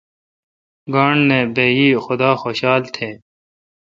گانٹھ نہ۔ بہ یئ خدا خوشال تہ۔